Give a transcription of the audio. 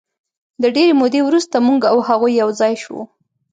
د ډېرې مودې وروسته موږ او هغوی یو ځای شوو.